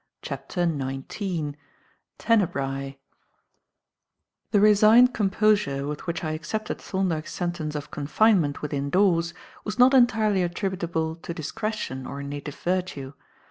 CHAPTER XIX TENEBRAE THE resigned composure with which I accepted Thorndyke's sentence of confinement within doors was not entirely attributable to discretion or native virtue.